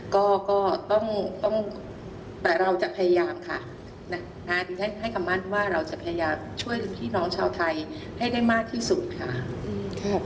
ก็ต้องแต่เราจะพยายามค่ะดิฉันให้คำมั่นว่าเราจะพยายามช่วยพี่น้องชาวไทยให้ได้มากที่สุดค่ะ